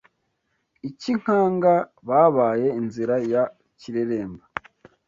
I Cyinkanga babaye inzira ya Kireremba